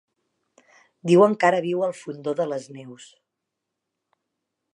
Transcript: Diuen que ara viu al Fondó de les Neus.